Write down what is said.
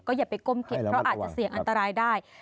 อย่าไปก้มเก็บเพราะอาจจะเสี่ยงอันตรายได้